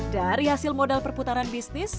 dari hasil modal perputaran bisnis